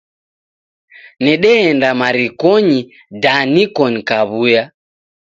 Nedeenda marikonyi da niko naw'uya